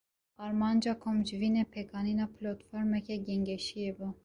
Armanca komcivînê, pêkanîna platformeke gengeşiyê bû